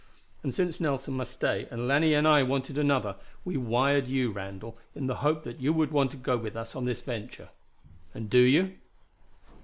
And since Nelson must stay, and Lanier and I wanted another, we wired you, Randall, in the hope that you would want to go with us on this venture. And do you?"